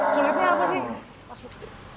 sulitnya apa sih